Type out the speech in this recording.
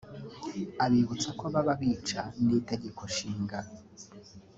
abibutsa ko baba bica n’Itegeko Nshinga